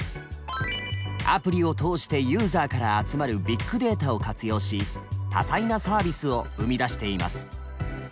アプリを通してユーザーから集まるビッグデータを活用し多彩なサービスを生み出しています。